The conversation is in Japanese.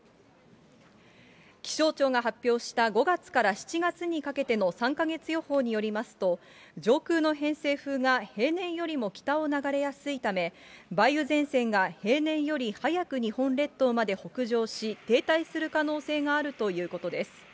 気象庁が発表した、５月から７月にかけての３か月予報によりますと、上空の偏西風が平年よりも北を流れやすいため、梅雨前線が平年より早く日本列島まで北上し、停滞する可能性があるということです。